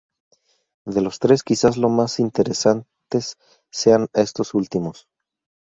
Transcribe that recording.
De los tres, quizás los más interesantes sean estos últimos.